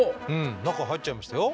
中入っちゃいましたよ。